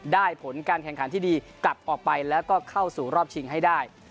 ผลการแข่งขันที่ดีกลับออกไปแล้วก็เข้าสู่รอบชิงให้ได้